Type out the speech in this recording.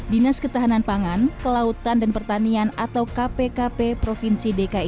dinas ketahanan pangan kelautan dan pertanian atau kpkp provinsi dki jakarta